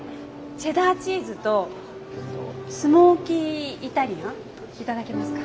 チェダーチーズとスモーキーイタリアンいただけますか？